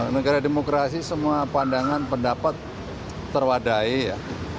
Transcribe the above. negara demokrasi semua pandangan pendapat terwadahi ya